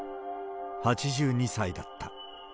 ８２歳だった。